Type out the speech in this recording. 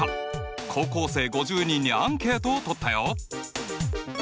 高校生５０人にアンケートをとったよ！